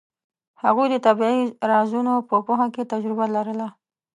هغوی د طبیعي رازونو په پوهه کې تجربه لرله.